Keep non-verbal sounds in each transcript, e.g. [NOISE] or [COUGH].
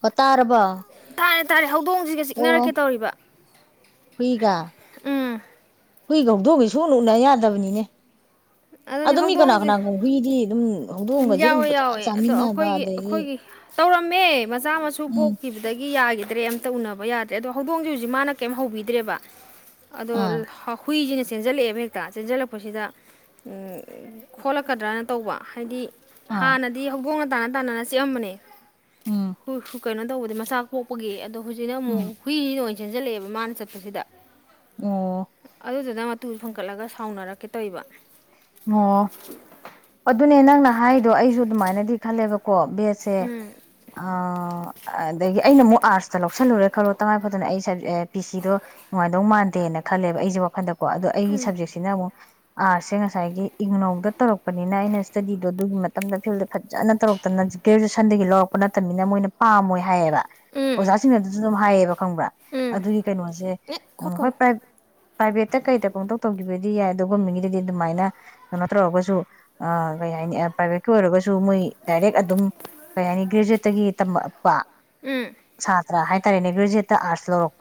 ꯍꫭ ꯇꯥꯔꯕꫭ ꯇꯥꯔꯦ ꯇꯥꯔꯦ ꯍꯧ ꯗꯣꯡꯁꯤꯒ ꯆꯤꯛꯅꯔꯛꯀꯦ ꯇꯧꯔꯤꯕ ꯍꯨꯏꯒ ꯎꯝ ꯍꯨꯏꯒ ꯍꯧꯗꫭꯡꯒꯗꯤ ꯁꯨꯡꯎꯟ ꯎꯅ ꯌꯥꯗꯕꯅꯤꯅꯦ ꯑꯗꯨꯅꯦ ꯑꯗꯨꯝ ꯃꯤ ꯀꯅꯥ ꯍꯧꯗꯣꯡꯁꯦ ꯀꯅꯥꯒꯨꯝ ꯍꯨꯏꯗꯤ ꯑꯗꯨꯝ ꯍꯧꯗꯣꯡꯒꯁꯦ ꯑꯗꯨꯝ ꯌꯥꯎꯋꯦ ꯐꯖꯅ ꯌꯥꯎꯋꯦ ꯑꯗꯣ ꯆꯥꯃꯤꯟꯅꯕ ꯑꯩꯈꯣꯏꯒꯤ ꯑꯗꯒꯤ ꯑꯩꯈꯣꯏꯒꯤ ꯇꯧꯔꯝꯃꯦ ꯃꯆꯥ ꯃꯁꯨ ꯎꯝ ꯄꯣꯛꯈꯤꯕꯗꯒꯤ ꯌꯥꯈꯤ ꯗ꯭ꯔꯦ ꯑꯝꯇ ꯎꯅꯕ ꯌꯥꯗ꯭ꯔꯦ ꯑꯗꯣ ꯍꯧꯗꯣꯡꯁꯤ ꯍꯧꯖꯤꯛ ꯃꯥꯅ ꯀꯩꯝ ꯍꯧꯕꯤꯗ꯭ꯔꯦꯕ ꯑꯗꯣ ꯑꯥ ꯍꯧ ꯍꯨꯏꯁꯤꯅ ꯆꯦꯟꯖꯜꯂꯛꯑꯦꯕ ꯍꯦꯛꯇ ꯆꯦꯟꯖꯜꯂꯛꯄꯁꯤꯗ ꯈꯣꯠꯂꯛꯀꯗ꯭ꯔꯅ ꯇꯧꯕ ꯍꯥꯏꯗꯤ ꯑꯥ ꯍꯥꯟꯅꯗꯤ ꯍꯧꯗꫭꯡꯅ ꯇꯥꯟꯅ ꯇꯥꯟꯅꯔ ꯆꯤꯛꯑꯝꯅꯦ ꯎꯝ ꯍꯨ ꯀꯩꯅꯣ ꯇꯧꯕꯗꯤ ꯃꯆꯥ ꯄꯣꯛꯄꯒꯤ ꯑꯗꯣ ꯍꯧꯖꯤꯛꯅ ꯎꯝ ꯑꯃꯨꯛ ꯍꯨꯏꯁꯤ ꯅ ꯆꯦꯟꯖꯜꯂꯛꯑꯦꯕ ꯃꯥꯅ ꯆꯠꯄꯁꯤꯗ ꯑꯣ ꯑꯗꯨꯗꯨꯅ ꯇꯨ ꯐꯟꯀꯠꯂꯒ ꯁꯥꯎꯅꯔꯛꯀꯦ ꯇꯧꯔꯤꯕ ꯑꯣ ꯑꯗꯨꯅꯦ ꯅꯪꯅ ꯍꯥꯏꯗꯣ ꯑꯩꯁꯨ ꯑꯗꯨꯃꯥꯏꯅꯗꯤ ꯈꯜꯂꯦꯕ ꯀꯣ ꯕꯦꯠꯁꯦ ꯎꯝ ꯑ ꯑꯗꯒꯤ ꯑꯩꯅ ꯑꯃꯨꯛ ꯑꯥꫪꯁꯇ ꯂꯧꯁꯜꯂꯨꯔꯦ ꯈꯜꯂꯣ ꯇꯉꯥꯏꯐꯗꯅ ꯑꯩ ꯁꯕ ꯄꯤ ꯁꯤꯗꯣ ꯅꯨꯡꯉꯥꯏꯅꯗꯧ ꯃꯥꯟꯗꯦꯅ ꯈꯜꯂꯦꯕ ꯑꯩꯁꯦ ꯋꯥꯈꯟꯗ ꯀꯣ ꯑꯗꯣ ꯑꯩꯒꯤ ꯁꯕꯖꯦꯛꯁꯤꯅ ꯑꯃꯨꯛ ꯑꯥꫪꯁꯦ ꯉꯁꯥ ꯁꯥꯏꯒꯤ ꯏꯒꯅꯧꯗ ꯇꯧꯔꯛꯄꯅꯤꯅ ꯑꯩꯅ ꯏꯁ꯭ꯇꯗꯤꯗꯣ ꯑꯗꯨꯒꯤ ꯃꯇꯝꯗ ꯐꯤꯜꯗ ꯐꯖꯅ ꯇꯧꯔꯛꯇꯃꯤꯅ ꯒ꯭ꯔꯦꯖꯨꯌꯦꯁꯟꯗꯒꯤ ꯂꯧꯔꯛꯄ ꯅꯠꯇꯅꯤꯅ ꯃꯣꯏꯅ ꯄꯥꯝꯃꯣꯏ ꯍꯥꯏꯌꯦꯕ ꯎꯝ ꯑꯣꯖꯥꯁꯤꯡꯅ ꯑꯗꯨꯁꯨ ꯑꯗꯨꯝ ꯍꯥꯏꯌꯦ ꯈꯪꯕ꯭ꯔ ꯎꯝ ꯑꯗꯨꯒꯤ ꯀꯩꯅꯣꯁꯦ ꯑꯦ ꯍꯣꯏ ꯈꯣꯠꯀꯅꯨ ꯄ꯭ꯔꯥꯏꯚꯦꯠꯇ ꯀꯩꯗ ꯄꯪꯇꯧ ꯇꯧꯒꯤꯕꯩ ꯗꯤ ꯌꯥꯏ ꯑꯗꯨ ꯒꯣꯃꯦꯟꯒꯤꯗꯗꯤ ꯑꯗꯨꯃꯥꯏꯅ ꯀꯩꯅꯣ ꯇꯧꯔꯒꯁꯨ ꯑ ꯀꯩ ꯍꯥꯏꯅꯤ ꯄ꯭ꯔꯥꯏꯚꯦꯠꯀꯤ ꯑꯣꯏꯔꯒꯁꯨ ꯃꯣꯏ ꯗꯥꯏꯔꯦꯛ ꯑꯗꯨꯝ ꯀꯩ ꯍꯥꯏꯅꯤ ꯒ꯭ꯔꯦꯖꯨꯋꯦꯠꯇꯒꯤ ꯇꯝꯃꯛꯄ ꯎꯝ ꯁꯥꯇ꯭ꯔ ꯍꯥꯏꯇꯥꯔꯦꯅꯦ ꯒ꯭ꯔꯦꯖꯨꯑꯦꯠ ꯑꯥꯔꯠꯁ ꯂꯧ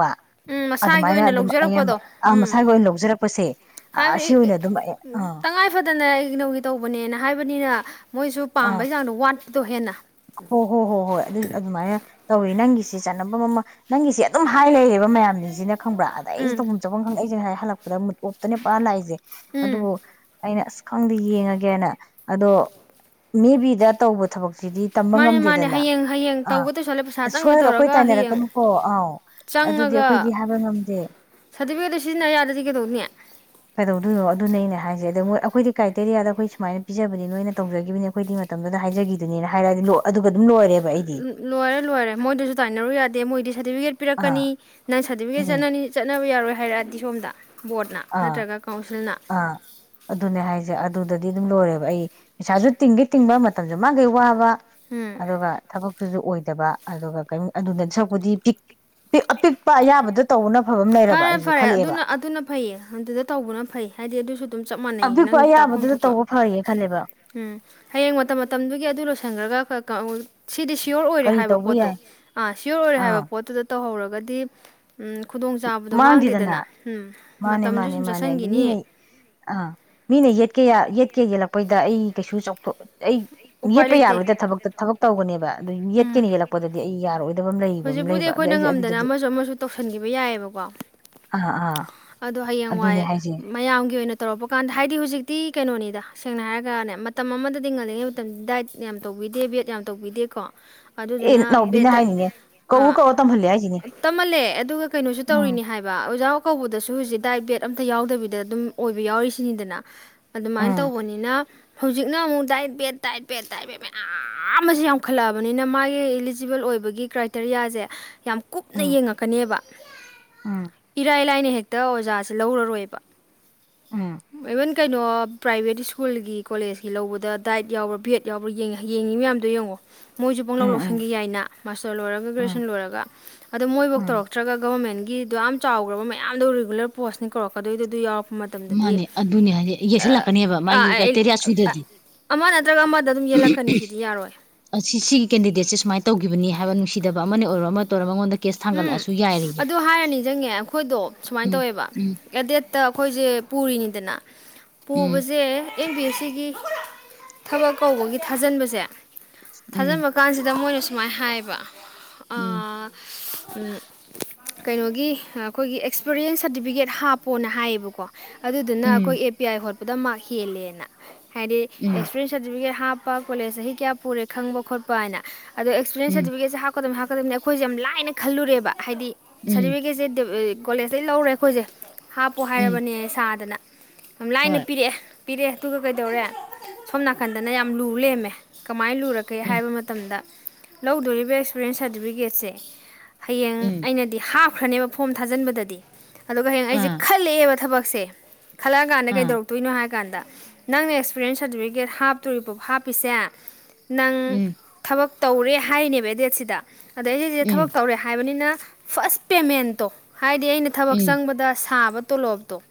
ꯎꯝ ꯃꯁꯥꯒꯤ ꯑꯗꯨꯃꯥꯏꯅ ꯑꯣꯏꯅ ꯑꯗꯨꯝ ꯑꯌꯥꯝꯕ ꯂꯧꯖꯔꯛꯄꯗꯣ ꯎꯝ ꯃꯁꯥꯒꯤ ꯑꯣꯏꯅ ꯂꯧꯖꯔꯛꯄꯁꯦ ꯑꯁꯤ ꯍꯥꯏꯕꯗꯤ ꯑꯣꯏꯅ ꯑꯗꯨꯝ ꯑꯥ ꯇꯉꯥꯏ ꯐꯗꯅ ꯏꯛꯅꯧꯒꯤ ꯇꯧꯕꯅꯦꯅ ꯍꯥꯏꯕꯅꯤꯅ ꯃꯣꯏꯁꯨ ꯑꯥ ꯄꯥꯝꯕꯩ ꯆꯥꯡꯗꯣ ꯋꯥꯠ ꯗꯣ ꯍꯦꯟꯅ ꯍꯣ ꯍꯣꯏ ꯍꯣ ꯍꯣꯏ ꯑꯗꯨ ꯑꯗꯨꯃꯥꯏꯅ ꯇꯧꯋꯤ ꯅꯪꯒꯤꯁꯦ ꯆ ꯅꯝꯕꯝ ꯑꯃ ꯅꯪꯒꯤꯁꯦ ꯑꯗꯨꯝ ꯍꯥꯏ ꯂꯩꯔꯦꯕ ꯃꯌꯥꯝꯁꯤꯡꯁꯤꯅ ꯈꯪꯕ꯭ꯔꯥ ꯑꯗ ꯑꯩꯁ ꯎꯝ ꯇꯧꯐꯝ ꯆꯐꯝ ꯈꯪꯗ ꯑꯩꯁꯦ ꯍꯥꯏ ꯍꯜꯂꯛꯄꯗ ꯃꯨꯠ ꯑꯣꯞꯇꯅꯦ ꯄꯨꯔꯥ ꯂꯥꯛꯏꯁꯦ ꯎꯝ ꯑꯗꯨꯕꯨ ꯑꯩꯅ ꯑꯁ ꯈꯪꯗꯦ ꯌꯦꯡꯉꯒꯦꯅ ꯑꯗꯣ ꯃꯦꯕꯤꯗ ꯇꯧꯕ ꯊꯕꯛꯁꯤꯗꯤ ꯇꯝꯕ ꯃꯥꯅꯦ ꯃꯥꯅꯦ ꯉꯝꯗꯦꯗꯅ ꯍꯌꯦꯡ ꯍꯌꯦꯡ ꯑꯥ ꯇꯧꯒ ꯇꯧꯁꯜꯂꯦ ꯄꯩꯁꯥ ꯆꯪꯒꯦ ꯁꯣꯏꯒ ꯑꯩꯈꯣꯏ ꯇꯧꯔꯒ ꯍꯌꯦꯡ ꯇꯥꯏꯅꯔꯛꯀꯅꯨꯀꯣ ꯑꯥ ꯑꯗꯨꯗꯤ ꯆꯪꯉꯒ ꯑꯩꯈꯣꯏꯗꯤ ꯍꯥꯏꯕ ꯉꯝꯗꯦ ꯁꯥꯔꯇꯤꯐꯤꯀꯦꯠꯇꯣ ꯁꯤꯖꯤꯟꯅ ꯌꯥꯗ꯭ꯔꯗꯤ ꯀꯩꯗꯧꯅꯤ ꯀꯩꯗꯧꯗꯣꯏꯅꯣ ꯑꯗꯨꯅꯦ ꯑꯩꯅ ꯍꯥꯏ ꯑꯗꯣ ꯃꯣꯏ ꯑꯩꯈꯣꯏꯗꯤ ꯀ꯭ꯔꯥꯏꯇꯦꯔꯤꯌꯥꯗ ꯑꯩꯈꯣꯏ ꯁꯨꯃꯥꯏꯅ ꯄꯤꯖꯅꯤ ꯅꯣꯏꯅ ꯇꯧꯖꯒꯤꯕꯅꯤ ꯑꯈꯣꯏꯗꯤ ꯃꯇꯝꯗꯨꯗ ꯍꯥꯏꯖꯒꯤꯗꯨꯅꯤ ꯍꯥꯏꯔꯑꯗꯤ ꯂꯣꯏ ꯑꯗꯨꯒ ꯑꯗꯨꯝ ꯂꯣꯏꯔꯦꯕ ꯑꯩꯗꯤ ꯂꯣꯏꯔꯦ ꯂꯣꯏꯔꯦ ꯃꯣꯏꯗꯁꯨ ꯇꯥꯏꯅꯔꯨ ꯌꯥꯗꯦ ꯃꯣꯏꯗꯤ ꯁꯥꯔꯇꯤꯐꯤꯀꯦꯠ ꯑꯥ ꯄꯤꯔꯛꯀꯅꯤ ꯅꯪ ꯁꯥꯔꯇꯤꯐꯤꯀꯦꯠ ꯎꯝ ꯆꯠꯅꯅꯤ ꯆꯠꯅ ꯅꯕ ꯌꯥꯔꯣꯏ ꯍꯥꯏꯔꯛꯑꯗꯤ ꯁꯣꯝꯗ ꯕꯣꯔꯠꯅ ꯑꯥ ꯅꯠꯇ꯭ꯔꯒ ꯀꯥꯎꯟꯁꯤꯜꯅ ꯑꯥ ꯑꯗꯨꯅꯦ ꯍꯥꯏꯁꯦ ꯑꯗꯨꯗꯗꯤ ꯑꯗꯨꯝ ꯂꯣꯏꯔꯦꯕ ꯑꯩ ꯄꯩꯁꯥꯁꯨ ꯇꯤꯡꯒꯦ ꯇꯤꯡꯕ ꯃꯇꯝꯁꯨ ꯃꯥꯒꯩ ꯋꯥꯕ ꯎꯝ ꯑꯗꯨꯒ ꯊꯕꯛ ꯁꯨ ꯑꯣꯏꯗꯕ ꯑꯗꯨꯒ ꯀꯦꯝ ꯑꯗꯨꯗ ꯁꯛꯄꯨꯗꯤ ꯄꯤꯛ ꯑꯄꯤꯛꯄ ꯑꯌꯥꯕꯗꯨ ꯇꯧꯕꯅ ꯐꯕ ꯑꯃ ꯂꯩꯔꯕ ꯐꯔꯦ ꯑꯩꯁꯨ ꯐꯔꯦ ꯈꯜꯂꯛꯑꯦꯕ ꯑꯗꯨꯅ ꯑꯗꯨꯅ ꯐꯩꯌꯦ ꯑꯗꯨꯗ ꯇꯧꯕꯅ ꯐꯩ ꯍꯥꯏꯗꯤ ꯑꯗꯨꯁꯨ ꯑꯗꯨꯝ ꯆꯞ ꯃꯥꯟꯅꯩ ꯑꯄꯤꯛꯄ ꯅꯪ ꯇꯥꯛꯐꯝ ꯑꯌꯥꯕꯗꯨꯗ ꯊꯣꯛꯄ ꯇꯧꯕ ꯐꯒꯦ ꯈꯜꯂꯦꯕ ꯎꯝ ꯍꯌꯦꯡ ꯃꯇꯝ ꯃꯇꯝꯗꯨꯒꯤ ꯑꯗꯨ ꯂꯣꯏꯁꯟꯈ꯭ꯔꯒ ꯁꯤꯗꯤ ꯁꯤꯌꯣꯔ ꯑꯣꯏꯔꯦ ꯀꯔꯤ ꯍꯥꯏꯕ ꯇꯧꯕ ꯌꯥꯏ ꯄꯣꯠꯇꯣ ꯑꯥ ꯁꯤꯌꯣꯔ ꯑꯣꯏꯔꯦ ꯍꯥꯏꯕ ꯑꯥ ꯄꯣꯠꯇꯨꯗ ꯇꯧꯍꯧꯔ ꯗꯤ ꯎꯝ ꯈꯨꯗꯣꯡ ꯃꯥꯡꯗꯦꯗꯅ ꯃꯥꯅꯦ ꯃꯇꯝꯁꯨ ꯃꯥꯅꯦ ꯁꯨꯝ ꯃꯥꯅꯦ ꯍꯥꯏꯗꯤ ꯃꯤꯅ ꯆꯠꯁꯤꯟꯈꯤꯅꯤ ꯑ ꯃꯤꯅ ꯌꯦꯠꯀꯦ ꯌꯥ ꯌꯦꯠ ꯀꯦ ꯌꯦꯜꯂꯛꯄꯩꯗ ꯑꯩ ꯀꯩꯁꯨ ꯆꯥꯎꯊꯣꯛ ꯑꯩ ꯎꯄꯥꯏ ꯌꯦꯠꯄ ꯂꯩꯇꯦ ꯌꯥꯔꯣꯏꯗ ꯊꯕꯛꯇ ꯊꯕꯛ ꯇꯧꯕꯅꯦꯕ ꯑꯗꯤꯏ ꯌꯦꯠꯀꯦꯅ ꯌꯦꯠꯂꯛꯄꯗꯗꯤ ꯑꯩ ꯌꯥꯔꯣꯏ ꯍꯧꯖꯤꯛꯄꯨꯗꯤ ꯑꯩꯈꯣꯏꯅ ꯉꯝꯗꯅ ꯑꯃꯁꯨ ꯑꯃꯁꯨ ꯇꯧꯁꯤꯟꯈꯤꯕ ꯑꯗꯨ ꯌꯥꯏꯑꯕꯀꯣ ꯑꯥ ꯑꯥ ꯑꯗꯣ ꯑꯗꯨꯅꯦ ꯍꯌꯦꯡꯋꯥꯏꯦ ꯍꯥꯏꯁꯦ ꯃꯌꯥꯝꯒꯤ ꯑꯣꯏꯅ ꯇꯧꯔꯛꯄ ꯀꯥꯟꯗ ꯍꯥꯏꯗꯤ ꯍꯧꯖꯤꯛꯇꯤ ꯀꯩꯅꯣꯅꯤꯗ ꯁꯦꯡꯅ ꯍꯥꯏꯔꯒꯅꯦ ꯃꯇꯝ ꯑꯃꯗꯗꯤ ꯉꯜꯂꯤꯉꯩ ꯃꯇꯝꯗꯗꯤ ꯗꯥꯏꯠ ꯌꯥꯝ ꯇꯧꯕꯤꯗꯦ ꯕꯦꯠ ꯌꯥꯝ ꯇꯧꯕꯤꯗꯦꯀꯣ ꯑꯦ ꯑꯗꯨꯗꯨꯅ ꯅꯥꯎꯕꯤꯅ ꯕꯦꯠꯇ ꯍꯥꯏꯅꯤꯅꯦ ꯀꯧꯎ ꯀꯧꯔ ꯇꯝꯍꯜꯂꯦ ꯍꯥꯏꯁꯤꯅꯦ ꯇꯝꯍꯜꯂꯦ ꯑꯗꯨꯒ ꯀꯩꯅꯣꯁꯨ ꯎꯝ ꯇꯧꯔꯤꯅꯤ ꯍꯥꯏꯕ ꯑꯣꯖꯥ ꯀꯧꯕꯗꯣ ꯗꯥꯏꯠ ꯕꯦꯠ ꯑꯝꯇ ꯌꯥꯎꯗꯕꯤꯗ ꯑꯗꯨꯝ ꯑꯣꯏꯕ ꯌꯥꯎꯔꯤꯁꯤꯅꯤꯗꯅ ꯑꯗꯨꯃꯥꯏꯅ ꯎꯝ ꯇꯧꯕꯅꯤꯅ ꯍꯧꯖꯤꯛꯅ ꯑꯃꯨꯛ ꯗꯥꯏꯠ ꯕꯦꯠ ꯗꯥꯏꯠ ꯕꯦꯠ ꯇꯥꯏꯠ ꯕꯦꯠ ꯃꯌꯥꯝ ꯑꯁꯤ ꯌꯥꯝꯈꯠꯂꯛꯑꯕꯅꯤꯅ ꯃꯥꯒꯤ ꯏꯂꯤꯖꯤꯕꯜ ꯑꯣꯏꯕꯒꯤ ꯀ꯭ꯔꯥꯏꯇꯦꯔꯤꯌꯥꯁꯦ ꯌꯥꯝ ꯀꯨꯞꯅ ꯎꯝ ꯌꯦꯡꯉꯛꯀꯅꯦꯕ ꯎꯝ ꯏꯔꯥꯏ ꯂꯥꯏꯅ ꯍꯦ ꯍꯛꯇ ꯑꯣꯖꯥꯥꯁꯦ ꯂꯧꯔꯔꯣꯏꯕ ꯑꯝ ꯏꯚꯟ ꯀꯩꯅꯣ ꯄ꯭ꯔꯥꯏꯚꯦꯠ ꯁ꯭ꯀꯨꯜꯒꯤ ꯀꯣꯂꯦꯖꯀꯤ ꯂꯧꯕꯗ ꯗꯥꯏꯠ ꯌꯥꯎꯕꯥ ꯕꯚꯦꯠ ꯌꯥꯎꯕ꯭ꯔꯥ ꯌꯦꯡꯉꯤ ꯃꯌꯥꯝꯗꯣ ꯌꯦꯡꯉꯣ ꯃꯣꯏꯁꯨ ꯄꯪꯂ ꯎꯝ ꯎꯝ ꯂꯧꯁꯟꯒꯤ ꯌꯥꯏꯅ ꯃꯥꯁꯇꯔ ꯂꯣꯏꯔꯒ ꯎꯝ ꯒꯦꯖꯨꯑꯦꯁꯟ ꯂꯣꯏꯔꯒ ꯑꯗꯣ ꯃꯣꯏꯐꯧ ꯎꯝ ꯇꯧꯔꯛꯇ꯭ꯔꯒ ꯒꯕꯔꯃꯦꯟ ꯒꯤꯗꯣ ꯌꯥꯝ ꯆꯥꯎꯈ꯭ꯔꯕ ꯃꯌꯥꯝꯗꯧꯔꯤꯕ ꯒꯂꯔ ꯄꯣꯁꯅꯤ ꯀꯧꯛꯀꯗꯣꯏꯗ ꯑꯗꯨ ꯌꯥꯎ ꯃꯥꯅꯦ ꯑꯗꯨꯅꯦ ꯍꯥꯏꯗꯤ ꯌꯦꯛꯁꯜꯂꯛꯀꯅꯦꯕ ꯃꯥꯒꯤ ꯀ꯭ꯔꯥꯏꯇꯦꯔꯤꯌꯥ ꯁꯨꯗꯗꯤ ꯑꯃ ꯅꯠꯇ꯭ꯔꯒ ꯑꯃꯗ ꯑꯗꯨꯝ ꯌꯦꯜꯂꯛꯀꯅꯤ ꯁꯤꯗꯤ ꯌꯥꯔꯣꯏ ꯁꯤꯒꯤ ꯀꯦꯟꯗꯤꯗꯦꯠꯁꯦ ꯁꯨꯃꯥꯏꯅ ꯇꯧꯈꯤꯕꯅꯤ ꯍꯥꯏꯕ ꯅꯨꯡꯁꯤ ꯈꯤꯗꯕ ꯑꯃ ꯑꯣꯏꯔꯣ ꯑꯃ ꯃꯉꫭꯟꯗꯩ ꯎꯝ ꯑꯗꯨ ꯍꯥꯏꯔꯅꯤ ꯅꯤꯜꯆꯪꯉꯦ ꯑꯩꯈꯣꯏꯗꯣ ꯁꯨꯃꯥꯏꯅ ꯎꯝ ꯇꯧꯋꯦꯕ ꯎꯝ ꯑꯦ ꯗꯦꯠꯇ ꯑꯩꯈꯣꯏꯁꯦ ꯄꯨꯔꯤꯅꯤꯗꯅ ꯎꯝ ꯄꯨꯕꯁꯦ ꯑꯦꯝ ꯕꯤ ꯌꯦ ꯁꯤ ꯒꯤ ꯊꯕꯛ ꯀꯧꯕꯒꯤ ꯊꯥꯖꯤꯟꯕꯁꯦ ꯎꯝ ꯊꯥꯖꯟꯕ ꯀꯥꯟꯁꯤꯗ ꯃꯣꯏꯅ ꯁ ꯃ ꯃꯥꯏ ꯍꯥꯏꯕ ꯎꯝ ꯀꯩꯅꯣꯒꯤ ꯑꯩꯈꯣꯏꯒꯤ ꯑꯦꯛꯁꯄꯤꯔꯤꯌꯦꯟꯁ ꯁꯥꯔꯇꯤꯐꯤꯀꯦꯠ ꯍꯥꯞꯄꯣꯅ ꯍꯥꯏꯌꯦꯕꯀꯣ ꯑꯗꯨꯗꯨꯅ ꯎꯝ ꯑꯩꯈꯣꯏ ꯑꯦ ꯄꯤ ꯑꯥꯏ ꯍꯣꯠꯄ ꯈꯨꯗꯝꯃꯛ ꯍꯦꯜꯂꯦꯅ ꯍꯥꯏꯗꯤ ꯎꯝ ꯑꯦꯛꯁꯄꯤꯔꯦꯟꯁ ꯁꯔꯇꯤꯐꯤꯀꯦꯠ ꯍꯥ ꯂꯄꯥ ꯀꯣꯂꯦꯖ ꯆꯍꯤ ꯀꯌꯥ ꯄꯨꯔꯦ ꯈꯪꯕ ꯈꯣꯠꯄ ꯍꯥꯏꯅ ꯑꯗ ꯑꯦꯁꯄꯤꯔꯤꯌꯦꯟ ꯎꯝ ꯁꯇꯤꯐꯤꯀꯦꯟꯁꯦ ꯍꯝꯀꯗꯕꯅꯤ ꯐꯔꯝꯅꯦ ꯑꯩꯈꯣꯏꯖꯦ ꯌꯥꯝ ꯂꯥꯏ- ꯍꯥꯏꯅ ꯈꯜꯂꯨꯔꯦꯕ ꯍꯥꯏꯗꯤ ꯎꯝ ꯁꯔꯇꯤꯐꯤꯀꯦꯠꯁꯦ ꯗꯦꯕ ꯑꯦ ꯀꯣꯂꯦꯖꯇꯩ ꯂꯧꯔꯦ ꯑꯩꯈꯣꯏꯁꯦ ꯍꯥꯞꯄꯨ ꯎꯝ ꯍꯥꯏꯔꯕꯅꯦ ꯁꯥꯗꯅ ꯌꯥꯝ ꯂꯥꯏꯅ ꯍꯣꯏ ꯄꯤꯔꯛꯑꯦ ꯄꯤꯔꯛꯑꯦ ꯑꯗꯨꯒ ꯀꯩꯗꯧꯔꯦ ꯁꯣꯝ ꯅꯥꯀꯟꯗꯅ ꯌꯥꯝ ꯂꯨ ꯂꯩꯔꯝꯃꯦ ꯀꯃꯥꯏꯅ ꯂꯨꯔꯛꯀꯦ ꯎꯝ ꯍꯥꯏꯕ ꯃꯇꯝꯗ ꯂꯧꯗꯣꯔꯤꯕ ꯑꯦꯛꯁꯄꯤꯔꯤꯌꯦꯟꯁ ꯁꯥꯔꯇꯤꯐꯤꯀꯦꯠꯁꯦ ꯍꯌꯦꯡ ꯎꯝ ꯑꯩꯅꯗꯤ ꯍꯥꯐ- ꯈ꯭ꯔꯅꯦꯕ ꯐꯣꯝ ꯊꯥꯖꯟꯕꯗꯗꯤ ꯑꯗꯨꯒ ꯍꯌꯦꯡ ꯑꯩꯖꯦ ꯑꯥ ꯈꯜꯂꯛꯑꯦꯕ ꯊꯕꯛ ꯁꯦ ꯈꯜꯂꯛꯑ ꯀꯥꯟꯗ ꯑꯥ ꯀꯩꯗꯧꯔꯛꯇꯣꯏꯅꯣ ꯍꯥꯏ ꯀꯥꯟꯗ ꯅꯪꯅ ꯑꯦꯛꯁꯄꯤꯔꯤꯌꯦꯟꯁ ꯁꯥꯔꯇꯤꯐꯤꯀꯦꯠ ꯍꯥꯞꯇꯣꯔꯤꯕ ꯍꯥꯞꯄꯤꯁꯦ ꯅꯪ ꯎꯝ ꯊꯕꯛ ꯇꯧꯔꯦ ꯍꯥꯏꯅꯦꯕ ꯑꯩ ꯗꯦꯠꯁꯤꯗ ꯑꯗꯩꯗꯤ- ꯊꯕꯛ ꯎꯝ ꯇꯧꯔꯦ ꯍꯥꯏꯕꯅꯤꯅ ꯐꯥꯁ ꯄꯦꯃꯦꯟꯇꯣ ꯍꯥꯏꯗꯤ ꯑꯩꯅ ꯊꯕꯛ ꯎꯝ ꯆꯪꯕꯗ ꯑꯁ ꯊꯥꯕ ꯇꯣꯂꯣꯞꯇꯣ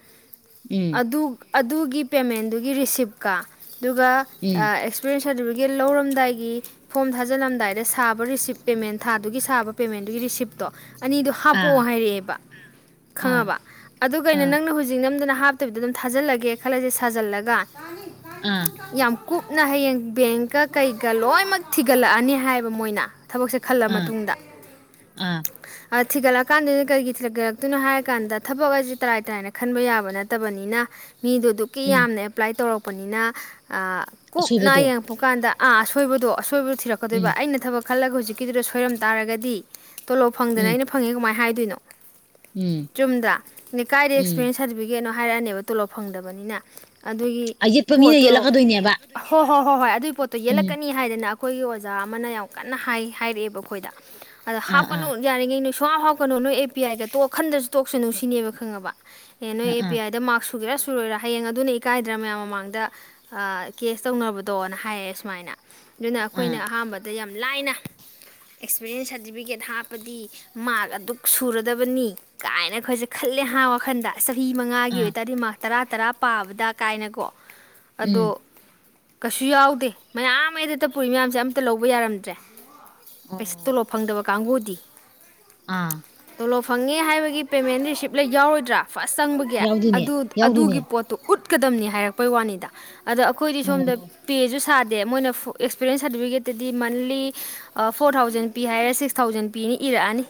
ꯎꯝ ꯑꯗꯨ ꯑꯗꯨꯒꯤ ꯄꯦꯃꯦꯟꯗꯨꯒꯤ ꯔꯤꯁꯤꯞꯀꯥ ꯑꯗꯨꯒ ꯑ ꯎꯝ ꯑꯦꯛꯁꯄꯤꯔꯤꯌꯦꯟꯁ ꯁꯥꯔꯇꯤꯐꯤꯀꯦꯠ ꯂꯧꯔꯝꯗꯥꯏꯒꯤ ꯐꯣꯝ ꯊꯥꯖꯤꯜꯂꯝꯗꯥꯏꯗ ꯁꯥꯕ ꯔꯤꯁꯤꯞ ꯄꯦꯃꯦꯟ ꯊꯥꯗꯨꯒꯤ ꯁꯥꯕ ꯄꯦꯃꯦꯟꯗꯨꯒꯤ ꯔꯤꯁꯤꯞꯇꯣ ꯑꯅꯤꯗꯣ ꯍꯥꯞꯄꯛꯑꯣ ꯑꯥ ꯍꯥꯏꯔꯛꯑꯦꯕ ꯑꯥ ꯈꯪꯉꯕ ꯑꯗꯨ ꯀꯩꯅꯣ ꯑꯥ ꯅꯪꯅ ꯍꯧꯖꯤꯛ ꯅꯝꯗꯅ ꯍꯥꯞꯇꯕꯤꯗ ꯑꯗꯨꯝ ꯊꯥꯖꯜꯂꯒꯦ ꯈꯜꯂꯖꯦ ꯁꯥꯖꯜꯂꯒ ꯑꯥ ꯌꯥꯝ ꯀꯨꯞꯅ ꯍꯌꯦꯡ ꯕꯦꯡꯀꯥ ꯀꯩ ꯒ ꯂꯣꯏꯃꯛ ꯊꯤꯒꯠꯂꯛꯑꯅꯤ ꯍꯥꯏꯕ ꯃꯣꯏꯅ ꯊꯕꯛꯁꯦ ꯈꯜꯂ ꯃꯇꯨꯡꯗ ꯎꯝ ꯊꯤꯒꯠꯂꯛꯀꯥꯟꯗꯨꯗ ꯀꯔꯤꯒꯤ ꯊꯤꯂꯒꯠꯂꯛꯇꯣꯏꯅꯣ ꯍꯥꯏꯔ ꯀꯥꯟꯗ ꯊꯕꯛ ꯑꯁꯦ ꯇꯔꯥꯏ ꯇꯔꯥꯏꯅ ꯈꯟꯕ ꯌꯥꯕ ꯅꯠꯇꯕꯅꯤꯅ ꯃꯤꯗꯨ ꯑꯗꯨꯛꯀꯤ ꯎꯝ ꯌꯥꯝꯅ ꯑꯦꯄ꯭ꯂꯥꯏ ꯇꯧꯔꯛ- ꯄꯅꯤꯅ ꯀꯨꯞꯅ ꯑꯁꯣꯏꯕꯗꯣ ꯌꯦꯡꯉꯛꯄ ꯀꯥꯟꯗ ꯑꯥ ꯑꯁꯣꯏꯕꯗꯣ ꯑꯁꯣꯏꯕꯗ ꯎꯝ ꯊꯤꯔꯛꯀꯗꯣꯏꯕ ꯑꯩꯅ ꯊꯕꯛ ꯈꯜꯂꯒ ꯍꯧꯖꯤꯛꯀꯤꯗꯨꯗ ꯁꯣꯏꯔꯝ ꯇꯥꯔꯒꯗꯤ ꯇꯣꯂꯣ ꯐꯪꯗꯅ ꯎꯝ ꯑꯩꯅ ꯐꯉꯦꯃꯥꯏ ꯍꯥꯏꯦ ꯇꯅꯣ ꯎꯝ ꯆꯨꯝꯗ꯭ꯔ ꯅ ꯀꯥꯏꯗ ꯎꯝ ꯑꯦꯛꯁꯄꯤꯔꯤꯟꯁ ꯁꯥꯔꯇꯤꯐꯤꯀꯦꯠꯅꯣ ꯍꯥꯏꯔꯛꯑꯅꯦꯕ ꯇꯣꯂꯣꯞ ꯐꯪꯗꯕꯅꯤꯅ ꯑꯗꯨꯒꯤ ꯌꯦꯠꯄ ꯃꯤꯅ ꯄꯣꯠꯇꯣ ꯌꯦꯠꯂꯛꯀꯗꯣꯏꯅꯦꯕ ꯍꯣ ꯍꯣꯏ ꯍꯣꯏ ꯍꯣꯏ ꯑꯗꯨꯒꯤ ꯄꯣꯠꯇꯣ ꯎꯝ ꯌꯦꯜꯂꯛꯀꯅꯤ ꯍꯥꯏꯗꯅ ꯑꯩꯈꯣꯏꯒꯤ ꯑꯣꯖꯥ ꯑꯃꯅ ꯌꯥꯝ ꯀꯟꯅ ꯍꯥꯏ ꯍꯥꯏꯔꯛꯑꯦꯕ ꯑꯩꯈꯣꯏꯗ ꯑꯗ ꯑꯥ ꯑꯥ ꯍꯥꯞꯀꯅ ꯌꯥꯔꯤꯉꯩ ꯊꯋꯥ ꯍꯥꯎꯀꯅꯣ ꯅꯣꯏ ꯑꯦ ꯄꯤ ꯑꯥꯏꯗ ꯇꯣꯛ ꯈꯟꯗꯁꯨ ꯇꯣꯛꯁꯅꯨ ꯁꯤꯅꯦꯕ ꯈꯪꯉꯕ ꯑꯦꯅ ꯑꯥ ꯑꯦ ꯑꯥ ꯄꯤ ꯑꯥꯏꯗ ꯃꯥꯔꯁ ꯁꯨꯒꯦꯔꯥ ꯁꯨꯔꯣꯏꯔꯥ ꯍꯌꯦꯡ ꯑꯗꯨꯅ ꯏꯀꯥꯏꯗ꯭ꯔ ꯃꯌꯥꯝ ꯃꯃꯥꯡꯗ ꯀꯦꯁ ꯇꯧꯅꯕꯗꯣꯅ ꯍꯥꯏꯌꯦꯦ ꯁꯨꯃꯥꯏꯅ ꯑꯗꯨꯅ ꯑꯩꯈꯣꯏꯅ ꯑꯥ ꯑꯍꯥꯟꯕꯗ ꯌꯥꯝ ꯂꯥꯏꯅ ꯑꯦꯛꯁꯄꯤꯔꯤꯌꯦꯟꯁ ꯍꯥꯏ ꯁꯥꯔꯇꯤꯐꯤꯀꯦꯠ ꯍꯥꯞꯄꯗꯤ ꯃꯥꯔꯛ ꯑꯗꯨꯛ ꯁꯨꯔꯗꯕꯅꯤ ꯀꯥꯏꯅ ꯑꯩꯈꯣꯏꯁꯦ ꯈꯜꯂꯦ ꯍꯥꯏ ꯋꯥꯈꯟꯗ ꯆꯍꯤ ꯃꯉꯥꯒꯤ ꯑꯥ ꯑꯣꯏꯇꯥꯔꯗꯤ ꯃꯥꯔꯛ ꯇꯔꯥ ꯇꯔꯥ ꯄꯥꯕꯗ ꯀꯥꯏꯅꯀꯣ ꯑꯗꯣ ꯎꯝ ꯀꯩꯁꯨ ꯌꯥꯎꯗꯦ ꯃꯌꯥꯝ ꯑꯩꯗ ꯇ ꯄꯨꯔꯤ ꯃꯌꯥꯝꯁꯦ ꯑꯝꯇ ꯂꯧꯕ ꯌꯥꯔꯝꯗ꯭ꯔꯦ ꯑꯥ ꯀꯗꯕ ꯀꯥꯡꯪꯒꯣꯗꯤ ꯑꯥ ꯄꯣꯂꯣ ꯐꯪꯉꯦ ꯍꯥꯏꯕꯒꯤ ꯄꯦꯃꯦꯟ ꯔꯤꯁꯤꯞ ꯂꯩ ꯌꯥꯎꯔꯣꯏꯗ꯭ꯔꯥ ꯐꯁ ꯆꯪꯕꯒꯤ ꯌꯥꯎꯗꯣꯏꯅꯦ ꯑꯗꯨ ꯌꯥꯎꯗꯣꯏꯅꯦ ꯑꯗꯨꯒꯤ ꯄꯣꯠꯇꯣ ꯎꯠ ꯆꯠꯀꯗꯝꯅꯤ ꯍꯥꯏꯔꯛꯄꯩ ꯋꯥꯅꯤꯗ ꯑꯗ ꯑꯩꯈꯣꯏꯗꯤ ꯁꯣꯝꯗ ꯑꯣ ꯄꯦꯁꯨ ꯁꯥꯗꯦ ꯗꯦ ꯃꯣꯏꯅ ꯑꯦꯛꯁꯄꯤꯔꯤꯌꯦꯟꯁ ꯁꯥꯔꯇꯤꯐꯤꯀꯦꯠꯇꯗꯤ ꯃꯟꯂꯤ ꯐꯣꯔ ꯊꯥꯎꯖꯟ ꯄꯤ ꯍꯥꯏꯔꯦ ꯁꯤꯛꯁ ꯊꯥꯎꯖꯟ ꯄꯤꯅꯤ ꯏꯔꯛꯑꯅꯤ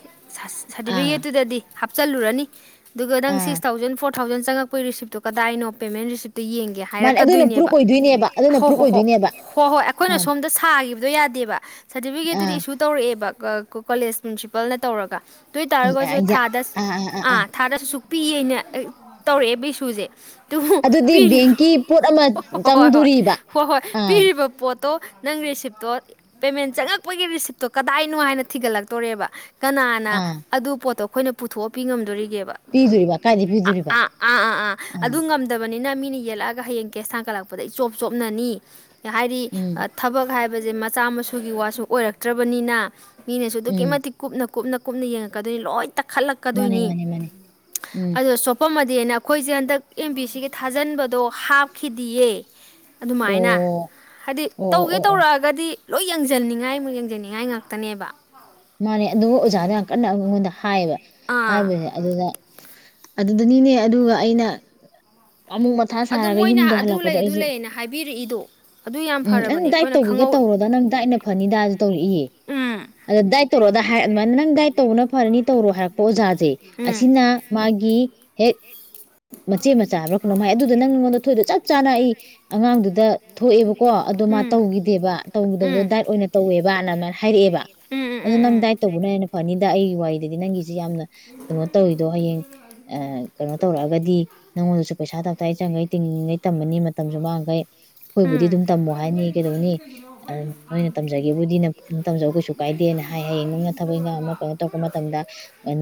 ꯑꯥ ꯁꯥꯔꯇꯤꯐꯤꯀꯦꯠꯇꯨꯗꯗꯤ ꯍꯥꯞꯆꯤꯜꯂꯨꯔꯅꯤ ꯑꯗꯨꯒ ꯅꯪ ꯑꯥ ꯁꯤꯛꯁ ꯊꯥꯎꯖꯟ ꯐꯣꯔ ꯇ ꯊꯥꯎꯖꯟ ꯆꯪꯛꯄ ꯁꯤꯞꯇꯣ ꯀꯗꯥꯏꯅꯣ ꯄꯦꯃꯦꯟ ꯔꯤꯁꯤꯞ ꯌꯦꯡꯒꯦ ꯃꯥꯅꯦ ꯑꯗꯨꯅ ꯄ꯭ꯔꯨꯞ ꯍꯥꯏꯔꯛꯀꯗꯣꯏꯅꯦꯕ ꯑꯣꯏꯗꯣꯏꯅꯦꯕ ꯑꯗꯨꯅ ꯍꯣ ꯄ꯭ꯔꯨꯞ ꯍꯣꯏ ꯍꯣꯏ ꯑꯣꯏꯗꯣꯏꯅꯦꯕ ꯍꯣꯏ ꯍꯣꯏ ꯑꯩꯈꯣꯏꯅ ꯑꯥ ꯁꯣꯝꯗ ꯁꯥ ꯑꯗꯨꯣ ꯌꯥꯗꯦꯕ ꯑꯥ ꯁꯔꯇꯐꯤꯀꯦꯠꯇꯨꯗꯤꯁꯨ ꯇꯧꯔꯛꯦꯕ ꯀꯣꯂꯦꯖ ꯄ꯭ꯔꯤꯟꯁꯤꯄꯥꯜꯅ ꯇꯧꯔꯒ ꯑꯗꯨ ꯑꯣꯏꯇꯥꯔꯒꯁꯨ ꯊꯥꯗ ꯑꯥ ꯊꯥꯗꯁꯨ ꯑ ꯁꯨꯛꯄꯤꯤꯌꯦꯅ ꯇꯧꯔꯛꯑꯦꯕ ꯁꯨꯖꯦ ꯇ ꯑꯗꯨꯗꯤ ꯄꯤꯔꯤꯕ ꯕꯦꯡꯀꯤ ꯄꯣꯠ ꯑꯃ ꯍꯣꯏ ꯍꯣꯏ ꯆꯪꯗꯣꯔꯤꯕ ꯍꯣꯏ ꯍꯣꯏ ꯑꯥ ꯄꯤꯔꯤꯕ ꯄꯣꯠ ꯣ ꯅꯪ ꯔꯤꯁꯤꯞꯇꯣ ꯄꯦꯃꯦꯟ ꯆꯪꯉꯛꯄꯒꯤ ꯔꯤꯁꯤꯞꯇꯣ ꯗꯥꯏꯅꯣ ꯍꯥꯏꯅ ꯊꯤꯒꯠꯂꯛꯇꯣꯔꯦꯕ ꯀꯅꯥꯅ ꯑꯥ ꯑꯗꯨ ꯄꯣꯠꯇꯣꯛ ꯑꯩꯈꯣꯏꯅ ꯄꯨꯊꯣꯛꯑ ꯄꯄꯤ ꯉꯝꯗꯣꯔꯤ ꯄꯤꯗꯣꯔꯤꯕ ꯀꯥꯏꯗꯩ ꯑ ꯄꯤꯗꯣꯔꯤꯕ ꯑꯥ ꯑ ꯑꯥ ꯉ ꯅꯤꯅ ꯃꯤꯅ ꯌꯦꯜꯂꯛꯑꯒ ꯍꯌꯦꯡ ꯀꯦꯁ ꯊꯥꯡꯒꯠꯂꯛꯄꯗ ꯑꯩ ꯆꯣꯞ ꯆꯣꯞꯅꯅꯤ ꯍꯥꯏꯗꯤ ꯎꯝ ꯊꯕꯛ ꯍꯥꯏꯕ ꯍꯥꯏꯕꯁꯦ ꯃꯆꯥ ꯃꯁꯨꯒꯤ ꯋꯥꯁꯨ ꯑꯣꯏꯔꯛꯇ꯭ꯔꯕꯅꯤꯅ ꯑ ꯃꯤꯅꯦ ꯁꯨꯗ ꯎꯝ ꯀꯃ ꯊ ꯈꯨ ꯅ ꯀꯨꯞꯅ ꯀꯨꯞꯅ ꯌꯦꯡꯉꯛꯀꯗꯣꯏꯅꯤ ꯂꯣꯏꯅ ꯃꯥꯅꯦ ꯇꯛꯈꯠꯂꯛꯀꯗꯣꯏꯅꯤ ꯃꯥꯅꯦ ꯃꯥꯅꯦ ꯎꯝ ꯑ ꯁꯣꯄ ꯗꯅ ꯑꯩꯈꯣꯏꯁꯦ ꯍꯟꯗꯛ ꯑꯦꯝ ꯕꯤ ꯁꯤꯒꯤ ꯊꯥꯖꯟꯕꯗꯣ ꯍꯥꯞꯈꯤꯗꯤꯌꯦ ꯑꯗꯨꯃꯥꯏꯅ ꯑꯣ ꯍꯥꯏꯗꯤ ꯑꯣ ꯇꯧꯒꯦ ꯑꯣ ꯑꯣ ꯇꯧꯔꯛꯑꯒꯗꯤ ꯂꯣꯏ ꯌꯦꯡꯁꯤꯟꯅꯤꯡꯉꯥꯏ ꯑꯃꯨꯛ ꯌꯦꯡꯁꯤꯅꯤꯡꯉꯥꯏ ꯉ ꯀꯅꯦꯕ ꯃꯥꯅꯦ ꯑꯗꯨꯕꯨ ꯑꯣꯖꯥꯗ ꯌꯥꯝ ꯀꯟꯅ ꯑꯩꯉꯣꯟꯗ ꯍꯥꯏꯕ ꯑꯥ ꯍꯥꯏꯕꯁꯦ ꯑꯗꯨꯗ ꯑꯗꯨꯗꯅꯤꯅꯦ ꯑꯗꯨꯒ ꯑꯩꯅ ꯑꯃꯨꯛ ꯃꯊꯥ ꯑꯗꯣ ꯁꯥꯔꯒ ꯃꯣꯏꯅ ꯌꯨꯝꯗ ꯑꯗꯨ ꯍꯜꯂꯛꯄꯗ ꯂꯩ ꯑꯗꯨ ꯑꯩꯁꯨ ꯂꯩꯅ ꯍꯥꯏꯕꯤꯔꯛꯏꯗꯣ ꯑꯗꯨ ꯌꯥꯝ ꯎꯝ ꯅꯪ ꯐꯔꯕꯅꯦ ꯗꯥꯏꯠ ꯑꯩꯈꯣꯏꯅ ꯇꯧꯒꯦꯒ ꯈꯪꯍꯧ ꯇꯧꯔꯗ ꯅꯪ ꯗꯥꯏꯠꯅ ꯐꯅꯤ ꯗꯥꯁꯨ ꯇꯧꯔꯛꯏꯌꯦ ꯑꯗ ꯗꯥꯏ ꯇꯧꯔꯑꯣꯗꯥ ꯍꯥꯏ ꯑꯗꯨꯃꯥꯏꯅ ꯅꯪ ꯗꯥꯏꯠ ꯇꯧꯕꯅ ꯐꯔꯅꯤ ꯇꯧꯔꯣ ꯍꯥꯌꯔꯛꯄꯥ ꯑꯣꯖꯥ ꯁꯦ ꯑꯁꯤꯅ ꯃꯥꯒꯤ ꯍ ꯃꯆꯦ ꯃꯆꯥ ꯍꯥꯏꯕꯔꯥ ꯀꯩꯅꯣꯝ ꯃꯥꯏ ꯑꯗꯨꯗ ꯅꯪꯉꯣꯟꯗ ꯊꯣꯏꯗ ꯆꯞ ꯆꯥꯅ ꯑꯩ ꯑꯉꯥꯡꯗꯨꯗ ꯊꯣꯛꯑꯦꯕ ꯀꯣ ꯑꯗꯣ ꯃꯥ ꯇꯧꯈꯤꯗꯦꯕ ꯇꯧꯈꯤꯗꯕꯗꯣ ꯗꯥꯏꯔꯠ ꯑꯣꯏꯅ ꯇꯧꯋꯦꯕ ꯑꯗꯨꯃꯥꯏꯅ ꯍꯥꯏꯔꯛꯑꯦꯕ ꯑꯗꯣ ꯅꯪ ꯗꯥꯏꯠ ꯇꯧꯕꯅ ꯍꯦꯟꯅ ꯐꯅꯤ ꯑꯩꯒꯤ ꯋꯥꯔꯤꯗꯗꯤ ꯅꯪꯒꯤ ꯁꯤ ꯌꯥꯝꯅ ꯀꯩꯅꯣ ꯇꯧꯔꯤꯗꯣ ꯍꯌꯦꯡ ꯑꯥ ꯀꯩꯅꯣ ꯇꯧꯔꯛꯑꯒ ꯒꯗꯤ ꯅꯪꯉꯣꯟꯗꯁꯨ ꯄꯩꯁꯥ ꯇꯞꯇꯥꯏ ꯆꯪꯉꯩ ꯇꯤꯡꯉꯩ ꯇꯝꯃꯅꯤ ꯃꯇꯝꯁꯨ ꯃꯥꯡꯈꯩ ꯑꯩꯈꯣꯏꯕꯨꯗꯤ ꯑꯗꯨꯝ ꯇꯝꯃꯣ ꯍꯥꯏꯅꯤ ꯀꯩꯗꯧꯅꯤ ꯅꯣꯏꯅ ꯇꯝꯖꯒꯦꯕꯨꯗꯤ ꯑꯗꯨꯝ ꯇꯝꯖꯧ ꯀꯩꯁꯨ ꯀꯥꯏꯗꯦꯅ ꯍꯥꯏ ꯍꯌꯦꯡ ꯅꯪꯅ ꯊꯕꯛ ꯏꯟꯈꯥꯡ ꯑꯃ ꯑꯃ ꯀꯩꯅꯣ ꯇꯧꯔꯛꯄ ꯃꯇꯝꯗ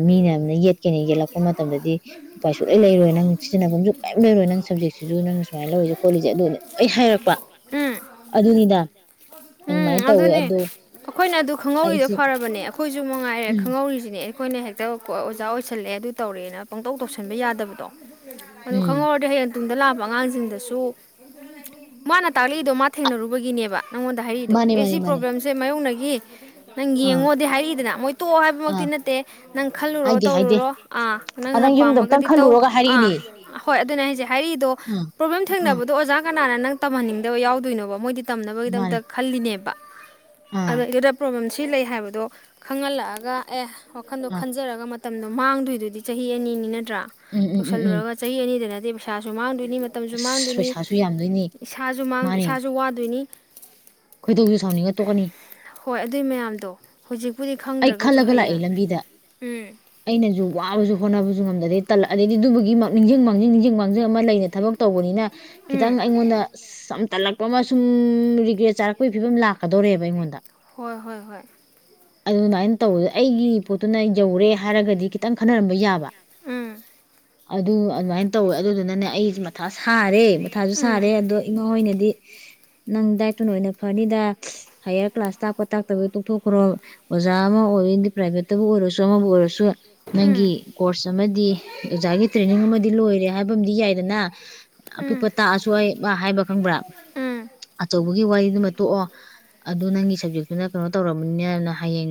ꯃꯤꯅ ꯌꯦꯠꯀꯦꯅ ꯌꯦꯠꯂꯛꯄ ꯃꯇꯝꯗꯗꯤ ꯎꯄꯥꯏ ꯁꯨꯡ ꯂꯩꯔꯣꯏ ꯅꯪ ꯁꯤꯟꯅꯐꯝꯁꯨ ꯀꯩꯝ ꯂꯩꯔꯣꯏ ꯅꯪ ꯁꯞꯖꯦꯛꯁꯤꯁꯨ ꯅꯪ ꯁꯨꯃꯥꯏꯅ ꯂꯧꯔꯤꯁꯦ ꯈꯣꯠꯂꯤꯁꯦ ꯑꯗꯨꯒꯅꯦ ꯂꯣꯏ ꯍꯥꯏ ꯎꯝ ꯑꯗꯨꯃꯥꯏꯅ ꯎꯝ ꯇꯧꯋꯦ ꯑꯗꯨꯅꯦ ꯑꯗꯣ ꯑꯩꯈꯣꯏꯅ ꯑꯗꯨ ꯈꯪꯍꯧꯔꯤꯗꯣ ꯑꯩꯁꯦ ꯐꯔꯕꯅꯦ ꯑꯩꯈꯣꯏꯁꯨ ꯃꯉꯥꯏꯔꯦ ꯎꯝ ꯈꯪꯍꯧꯔꯤꯁꯤꯅꯦ ꯑꯩꯈꯣꯏꯅ ꯍꯦꯛꯇ ꯑꯣꯖꯥ ꯑꯣꯏꯁꯜꯂꯛꯑꯦ ꯑꯗꯨ ꯇꯧꯔꯦꯅ ꯄꯪꯇꯧ ꯇꯧꯁꯟꯕ ꯌꯥꯗꯕꯗꯣ ꯑꯗꯨ ꯎꯝ ꯈꯪꯍꯧꯔꯗꯤ ꯍꯌꯦꯡ ꯇꯨꯡꯗ ꯂꯥꯛꯄ ꯑꯉꯥꯡꯁꯤꯡꯗꯁꯨ ꯃꯥꯅ ꯇꯥꯛꯂꯛꯏꯗꯣ ꯃꯥ ꯊꯦꯡꯅꯔꯨꯕꯒꯤꯅꯦꯕ ꯅꯉꯣꯟꯗ ꯍꯥꯔꯛꯏꯗꯣ ꯃꯥꯅꯦ ꯑꯦ ꯁꯤ ꯃꯥꯅꯦ ꯃꯥꯅꯦ ꯄ꯭ꯔꯣꯕ꯭ꯂꯦꯝꯁꯦ ꯃꯌꯣꯛꯅꯩ ꯑꯦ ꯅꯪ ꯑꯥ ꯌꯦꯡꯉꯣꯗꯤ ꯍꯥꯏꯔꯛꯏꯗꯅ ꯃꯣꯏ ꯇꯣꯛꯑꯣ ꯍꯥꯏꯕꯃꯛꯇꯤ ꯑꯥ ꯅꯠꯇꯦ ꯅꯪ ꯈꯜꯂꯨꯔꯣ ꯍꯥꯏꯗꯦ ꯍꯥꯏꯗꯦ ꯇꯧꯔꯨꯔꯣ ꯑꯥ ꯑ ꯅꯪꯅ ꯅꯪ ꯌꯨꯝꯗ ꯑꯝꯇꯪ ꯄꯥꯝꯃꯒꯗꯤ ꯇꯧ ꯈꯜꯂꯨꯔꯒ ꯑꯥ ꯍꯥꯏꯔꯛꯏꯅꯦ ꯍꯣꯏ ꯑꯗꯨꯅ ꯍꯥꯏꯁꯦ ꯍꯥꯏꯔꯛꯏꯗꯣ ꯑꯥ ꯄ꯭ꯔꯣꯕ꯭ꯂꯦꯝ ꯑꯥ ꯊꯦꯡꯅꯕꯗꯣ ꯑꯣꯖꯥ ꯀꯅꯥꯅ ꯅꯪ ꯇꯝꯍꯟꯅꯤꯡꯗꯕ ꯌꯥꯎꯗꯣꯏꯅꯣꯕ ꯃꯣꯏꯗꯤ ꯃꯥꯅꯦ ꯇꯝꯅꯕꯒꯤꯗꯃꯛꯇ ꯈꯜꯂꯤꯅꯦꯕ ꯑꯥ ꯑꯗꯩꯁꯤꯗ ꯄ꯭ꯔꯣꯕꯂꯦꯝꯁꯤ ꯁꯤ ꯂꯩ ꯍꯥꯏꯕꯗꯣ ꯈꯪꯍꯜꯂꯛꯑꯒ ꯑꯦ ꯋꯥꯈꯟꯗꯣ ꯑꯥ ꯈꯟꯖꯔꯒ ꯃꯇꯝꯗꯣ ꯃꯥꯡꯗꯣꯏꯗꯨꯗꯤ ꯆꯍꯤ ꯑꯅꯤꯅꯤ ꯅꯠ ꯇꯔꯥ ꯎꯝ ꯎꯝ ꯎꯝ ꯎꯝ ꯇꯧꯜꯁꯜꯂꯨꯔꯒ ꯆꯍꯤ ꯑꯅꯤꯗ ꯅꯠꯇꯦ ꯄꯩꯁꯥꯁꯨ ꯃꯥꯡꯗꯣꯏꯅꯤ ꯃꯇꯝꯁꯨ ꯑꯁ ꯃꯥꯡꯗꯣꯏꯅꯤ ꯄꯩꯁꯥꯁꯨ ꯌꯥꯝꯗꯣꯏꯅꯤ ꯏꯁꯥꯁꯨ ꯃꯥꯡꯗꯣꯏ ꯃꯥꯅꯤ ꯏꯁꯥꯁꯨ ꯋꯥꯗꯣꯏ ꯅꯤ ꯈꯣꯏꯗꯧꯁꯨ ꯁꯥꯎꯅꯤꯡꯉ ꯇꯣꯛꯀꯅꯤ ꯍꯣꯏ ꯑꯗꯨꯏ ꯃꯌꯥꯝꯗꯣ ꯍꯧꯖꯤꯛ ꯄꯨꯗꯤ ꯑꯩ ꯈꯪꯗ꯭ꯔꯒꯁꯨ ꯈꯜꯂꯒ ꯂꯥꯛꯑꯦ ꯍꯌꯦꯡ ꯂꯝꯕꯤꯗ ꯎꯝ ꯑꯩꯅꯁꯨ ꯋꯥꯕꯁꯨ ꯍꯣꯠꯅꯕꯁꯨ ꯉꯝꯗꯔꯗꯤ ꯇꯜꯂꯛꯑꯅꯤ ꯑꯗꯩꯗꯤ ꯑꯗꯨꯕꯨꯒꯤ ꯅꯤꯡꯖꯤꯡ ꯃꯥꯡꯖꯤꯡ ꯅꯤꯡꯖꯤꯡ ꯃꯥꯡꯖꯤꯡ ꯑꯃ ꯂꯩꯔꯦ ꯊꯕꯛ ꯇꯧꯕꯅꯤꯅ ꯈꯤꯇꯪ ꯎꯝ ꯑꯩꯉꯣꯟꯗ ꯑꯁ ꯌꯥꯝ ꯇꯜꯂꯛꯄ ꯑꯃ ꯁꯨꯝ ꯔꯤꯒ꯭ꯔꯦꯠ ꯆꯥꯔꯛꯄꯒꯤ ꯐꯤꯕꯝ ꯂꯥꯛꯀꯗꯧꯔꯦꯕ ꯑꯩꯉꯣꯟꯗ ꯍꯣꯏ ꯍꯣꯏ ꯍꯣꯏ ꯑꯗꯨꯃꯥꯏꯅ ꯇꯧꯕꯗ ꯑꯩꯒꯤ ꯄꯣꯠꯇꯨꯅ ꯌꯧꯔꯦ ꯍꯥꯏꯔꯒꯗꯤ ꯈꯤꯇꯪ ꯈꯟꯅꯔꯝꯕ ꯌꯥꯕ ꯎꯝ ꯑꯗꯨ ꯑꯗꯨꯃꯥꯏꯅ ꯇꯧꯋꯦ ꯑꯗꯨꯗꯨꯅꯅꯦ ꯑꯩꯁꯦ ꯃꯊꯥ ꯁꯥꯔꯦ ꯃꯊꯥꯁꯨ ꯎꯝ ꯁꯥꯔꯦ ꯑꯗꯣ ꯏꯃꯥ ꯍꯣꯏꯅꯗꯤ ꯅꯪ ꯗꯥꯏꯇꯨꯅ ꯑꯣꯏꯅ ꯐꯅꯤꯗ ꯍꯥꯏꯌꯥꯔ ꯀ꯭ꯂꯥꯁ ꯇꯥꯛꯄ ꯇꯥꯛꯇꯕꯒꯤ ꯇꯣꯛꯊꯣꯛꯈ꯭ꯔꯣ ꯑꯣꯖꯥ ꯑꯃ ꯑꯣꯏꯗꯤ ꯄ꯭ꯔꯥꯏꯚꯦꯠꯇꯕꯨ ꯑꯣꯏꯔꯁꯨ ꯑꯃꯕꯨ ꯑꯣꯏꯔꯁꯨ ꯎꯝ ꯅꯪꯒꯤ ꯀꯣꯔꯁ ꯑꯃꯗꯤ ꯑꯣꯖꯥꯒꯤ ꯇ꯭ꯔꯦꯅꯤꯡ ꯑꯃꯗꯤ ꯂꯣꯏꯔꯦ ꯍꯥꯏꯕꯝꯗꯤ ꯌꯥꯏꯗꯅ ꯎꯝ ꯑꯄꯤꯄ ꯇꯥꯁꯨꯋꯥꯏ ꯃꯥ ꯍꯥꯏꯕ ꯈꯪꯕ꯭ꯔꯥ ꯎꯝ ꯑꯆꯧꯕꯒꯤ ꯋꯥꯔꯤꯗꯨꯃ ꯇꯣꯛꯑꯣ ꯑꯗꯨ ꯅꯪꯒꯤ ꯁꯞꯖꯦꯛꯇꯨꯅ ꯀꯩꯅꯣ ꯇꯧꯔꯝꯅꯤꯅꯦꯅ ꯍꯌꯦꯡ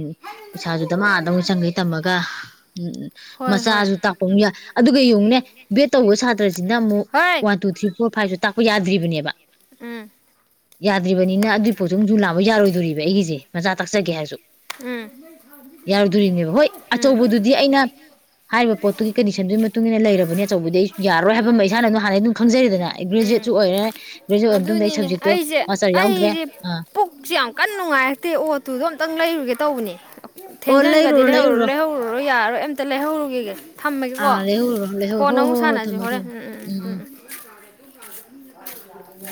ꯄꯩꯁꯥꯖꯨ ꯗꯃꯥꯗꯧ ꯆꯪꯈꯩ ꯇꯝꯃꯒ ꯍꯣꯏ ꯍꯣꯏ ꯃꯆꯥꯁꯨ ꯇꯥꯛꯄ ꯑꯃꯨꯛ ꯌꯥꯏ ꯑꯗꯨꯒ ꯌꯦꯡꯉꯨꯅꯦ ꯕꯦꯠ ꯇꯧꯕ ꯁꯥꯇ꯭ꯔꯁꯤꯅ ꯑꯃꯨꯛ ꯍꯣꯏ ꯋꯥꯟ ꯇꯨ ꯊ꯭ꯔꯤ ꯐꯥꯏꯁꯨ ꯇꯥꯛꯄ ꯌꯥꯗ꯭ꯔꯤꯕꯅꯦꯕ ꯎꯝ ꯌꯥꯗ꯭ꯔꯤꯕꯅꯤꯅ ꯑꯗꯨꯒꯤ ꯄꯣꯠꯁꯨ ꯑꯗꯨꯃꯖꯨꯨ ꯂꯥꯛꯕ ꯌꯥꯔꯣꯏꯗꯣꯔꯤꯕ ꯑꯩꯒꯤꯁꯦ ꯃꯆꯥ ꯇꯥꯛꯆꯒꯦ ꯍꯥꯏꯔꯁꯨ ꯎꯝ ꯌꯥꯔꯣꯏꯗꯣꯔꯤꯕꯅꯦꯕ ꯍꯣꯏ [INAUDIBLE] ꯑꯆꯧꯕꯗꯨꯗꯤ ꯑꯩꯅ ꯍꯥꯏꯔꯤꯕ ꯄꯣꯠꯇꯨꯒꯤ ꯀꯟꯗꯤꯁꯟꯗꯨꯒꯤ ꯃꯇꯨꯡ ꯏ ꯃꯇꯨꯡꯏꯟꯅ ꯂꯩꯔꯕꯅꯤ ꯑꯆꯧꯕꯗꯤ ꯑꯩ ꯌꯥꯔꯣꯏ ꯍꯥꯏꯕ ꯑꯃ ꯏꯁꯥꯅ ꯑꯗꯨ ꯍꯥꯟꯅ ꯑꯗꯨꯝ ꯈꯪꯖꯔꯤꯗꯅ ꯑꯩ ꯎꯝ ꯒ꯭ꯔꯦꯖꯨꯋꯦꯠꯁꯨ ꯑꯣꯏꯔꯦ ꯒ꯭ꯔꯦꯖꯨꯋꯦꯠ ꯑꯣꯏꯕ ꯃꯇꯨꯡꯗ ꯑꯩ ꯑꯗꯨꯅꯤꯅꯦ ꯁꯞꯖꯦꯛꯇꯣ ꯑꯩꯁꯦ ꯃꯥꯁꯇꯔ ꯌꯥꯎꯗ꯭ꯔꯦ ꯑꯩꯁꯦ ꯑꯥ ꯄꯨꯛꯁꯦ ꯌꯥꯝ ꯒꯦ ꯇꯧꯕꯅꯦ ꯑꯣ ꯊꯦꯡꯖꯤꯟꯒꯗꯤ ꯂꯩꯔꯨꯔꯣ ꯂꯩꯔꯨꯔꯣ ꯂꯩꯍꯧꯔꯔꯣꯏ ꯌꯥꯔꯣꯏ ꯑꯝꯇ ꯂꯩꯍꯧꯔꯨꯒꯦꯒꯦ ꯊꯝꯃꯒꯦꯀꯣ ꯑꯥ ꯂꯩꯍꯧꯔꯨꯔꯣ ꯂꯩꯍꯧ ꯍꯣ ꯀꯣꯟꯅꯥ ꯑꯃꯨꯛ ꯍꯣ ꯍꯣ ꯁꯥꯟꯅꯁꯤ ꯊꯝꯃꯣ ꯍꯣꯔꯦꯟ ꯊꯝꯃꯣ ꯎꯝ ꯎꯝ ꯎꯝ ꯎꯝ ꯎꯝ ꯑ [UNINTELLIGIBLE]